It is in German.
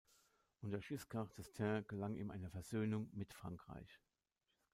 Unter Giscard d’Estaing gelang ihm eine Versöhnung mit Frankreich.